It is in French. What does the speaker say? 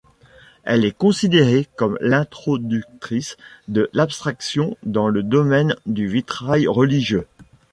Elle est considérée comme l'introductrice de l'abstraction dans le domaine du vitrail religieux.